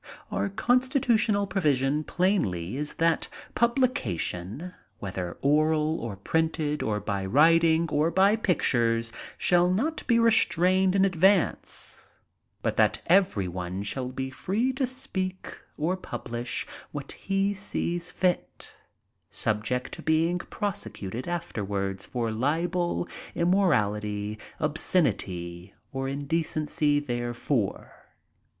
Our constitutional provision plainly is that publica tions whether oral, or printed, or by writing, or by pictures, shall not be restrained in advance, but that every one shall be free to speak or publish what he sees fit, subject to being prosecuted afterwards for libel, immorality, obscenity or indecency therefor.